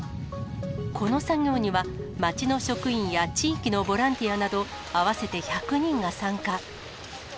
この作業には、町の職員や地域のボランティアなど、合わせて１００人が参加。